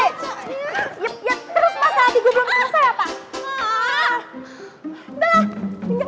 terus masa adiknya